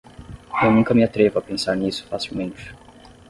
Eu nunca me atrevo a pensar nisso facilmente